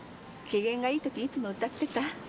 機嫌がいい時いつも歌ってた。